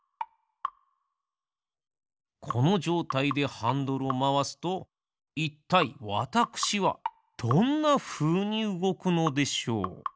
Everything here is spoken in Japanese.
このじょうたいでハンドルをまわすといったいわたくしはどんなふうにうごくのでしょう？